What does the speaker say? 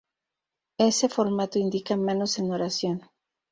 Ese formato indica manos en oración.